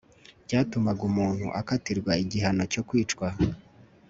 byatumaga umuntu akatirwa igihano cyo kwicwa